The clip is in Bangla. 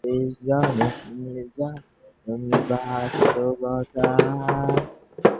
বৃদ্ধ নিজে তাঁহার কন্যাকে শিক্ষা দিয়াছেন।